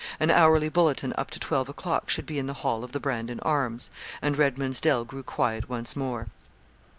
An hourly bulletin up to twelve o'clock should be in the hall of the 'Brandon Arms;' and Redman's Dell grew quiet once more.